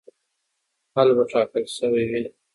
حل به ټاکل شوی وي.